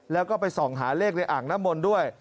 แล้วก็ไปส่องหาเลขในอ่างน้ำมนต์ด้วย